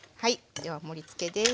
では盛りつけです。